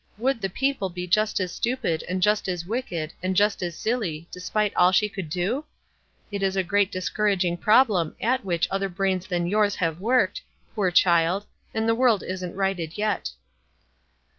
Would the people be just as stupid, and just as wicked, and just as silly, despite all she could do? It is a great discouraging problem at which other brains than yours have worked, poor child, and the world isn't righted yet."